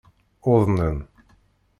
Uḍnen.